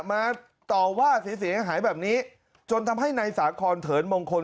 มาต่อว่าเสียหายแบบนี้จนทำให้นายสาคอนเถินมงคล